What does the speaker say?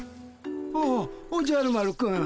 おおおじゃる丸くん。